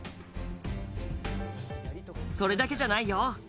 それだけじゃないよ